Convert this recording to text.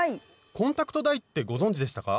「コンタクトダイ」ってご存じでしたか？